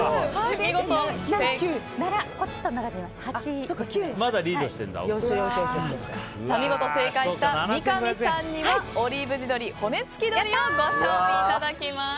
見事正解した三上さんにはオリーブ地鶏骨付鶏をご賞味いただきます。